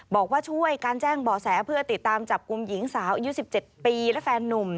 บอกว่าช่วยการแจ้งบ่อแสเพื่อติดตามจับกลุ่มหญิงสาวอายุ๑๗ปีและแฟนนุ่ม